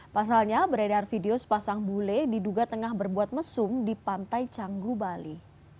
pasalnya beredar video sepasang bule diduga tengah berbuat mesum di pantai canggu bali